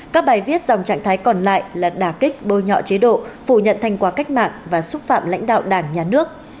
các bài viết dòng trạng thái còn lại là đà kích bôi nhọ chế độ phủ nhận thành quả cách mạng và xúc phạm lãnh đạo đảng nhà nước